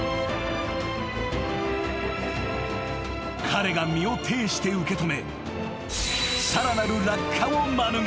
［彼が身をていして受け止めさらなる］